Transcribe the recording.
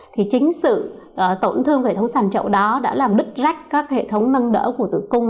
thì chính sự tổn thương hệ thống sàn trậu đó đã làm đứt rách các hệ thống nâng đỡ của tử cung